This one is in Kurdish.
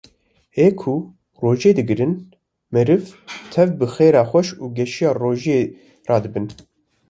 ê ku rojiyê digrin meriv tev bi xêra xweş û geşiya rojiyê radibin.